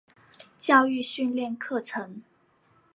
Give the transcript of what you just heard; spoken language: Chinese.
教育训练课程